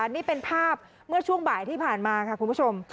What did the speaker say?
นี่เป็นภาพเมื่อช่วงบ่ายที่ผ่านมาค่ะคุณผู้ชม